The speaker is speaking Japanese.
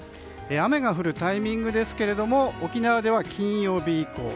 雨が降るタイミングですけれども沖縄では金曜日以降。